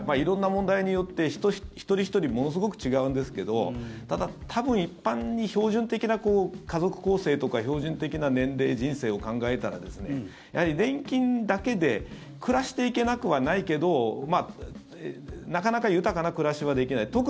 色々な問題によって一人ひとりものすごく違うんですけどただ多分、一般に標準的な家族構成とか標準的な年齢、人生を考えたらやはり年金だけで暮らしていけなくはないけどなかなか豊かな暮らしはできない。